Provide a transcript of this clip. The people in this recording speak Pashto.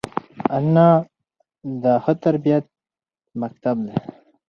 انا د ښه تربیت مکتب ده